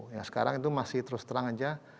yang sekarang itu masih terus terang aja